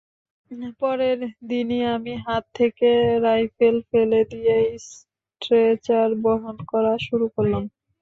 পরের দিনই আমি হাত থেকে রাইফেল ফেলে দিয়ে স্ট্রেচার বহন করা শুরু করলাম।